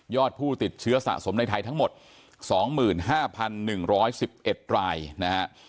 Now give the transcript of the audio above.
ผู้ติดเชื้อสะสมในไทยทั้งหมด๒๕๑๑๑๑รายนะฮะ